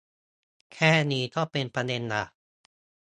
แค่นี้ก็เป็นประเด็นละ